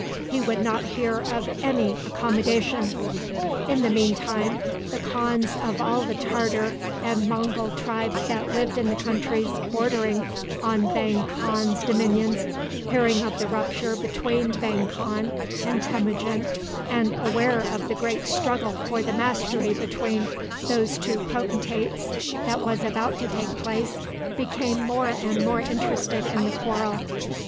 He would not hear of any accommodation. In the mean time, the khans of all the Tartar and Mongul tribes that lived in the countries bordering on Vang Khan's dominions, hearing of the rupture between Vang Khan and Temujin, and aware of the great struggle for the mastery between these two potentates that was about to take place, became more and more interested in the quarrel.